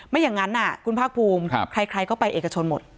ไม่อย่างนั้นคุณภาคภูมิใครก็ไปเอกชนหมด